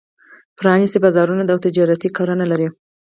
پرانېستي بازارونه او تجارتي کرنه لري.